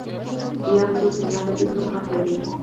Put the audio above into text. یا هغه څوک چې ملا نه دی کم حق لري.